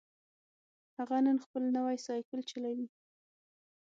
هغه نن خپل نوی سایکل چلوي